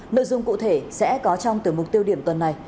nội dung cụ thể sẽ có trong từ mục tiêu điểm tuần này